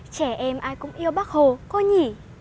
trẻ em ai cũng yêu bác hồ cô nhỉ